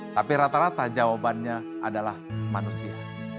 tapi rata rata jawabannya adalah manusia